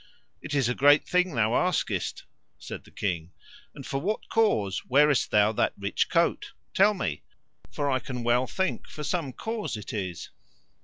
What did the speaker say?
It is a great thing that thou askest, said the king; and for what cause wearest thou that rich coat? tell me, for I can well think for some cause it is.